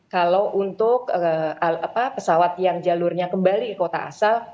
kalau untuk pesawat yang jalurnya kembali ke kota asal